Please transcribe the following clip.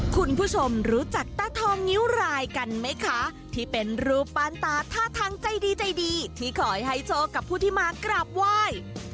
คุณผู้ชมรู้จักตาทองนิ้วรายกันไหมคะที่เป็นรูปปั้นตาท่าทางใจดีใจดีที่ขอให้โชคกับผู้ที่มากราบไหว้